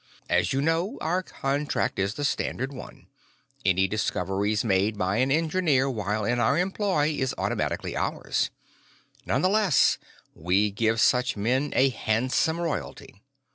As you know, our contract is the standard one any discovery made by an engineer while in our employ is automatically ours. None the less, we give such men a handsome royalty."